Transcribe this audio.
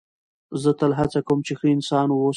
زه تل هڅه کوم، چي ښه انسان واوسم.